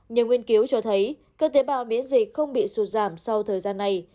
những nguyên cứu cho thấy các tế bào miễn dịch không bị sụt giảm sau thời gian này